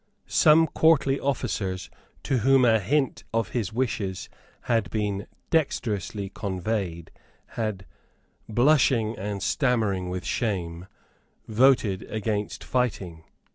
Some courtly officers to whom a hint of his wishes had been dexterously conveyed had, blushing and stammering with shame, voted against fighting.